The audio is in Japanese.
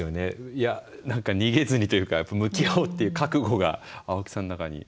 いや何か逃げずにというか向き合おうっていう覚悟が青木さんの中に。